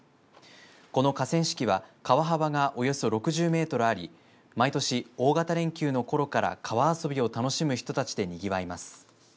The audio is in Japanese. この河川敷は川幅がおよそ６０メートルあり毎年、大型連休のころから川遊びを楽しむ人たちでにぎわいます。